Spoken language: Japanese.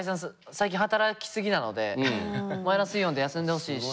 最近働き過ぎなのでマイナスイオンで休んでほしいし。